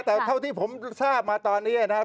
แต่เท่าที่ผมทราบมาตอนนี้นะครับ